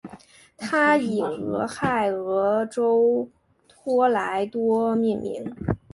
它以俄亥俄州托莱多命名。